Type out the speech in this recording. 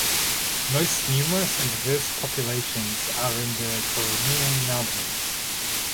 Most numerous and diverse populations are in the Crimean Mountains.